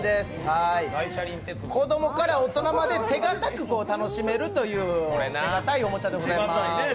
子供から大人まで手堅く楽しめるという手堅いおもちゃです。